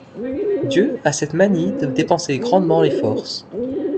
Dieu a cette manie de dépenser grandement les forces.